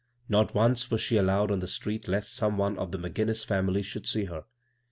Not once was she allowed on the street lest some one of the McGinnis bunily should see her.